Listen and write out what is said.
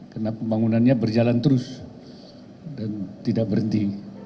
karena pembangunannya berjalan terus dan tidak berhenti